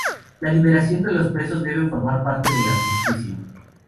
La liberación de los presos deben formar parte del armisticio.